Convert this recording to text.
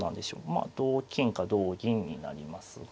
まあ同金か同銀になりますが。